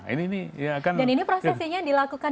dan ini prosesnya dilakukan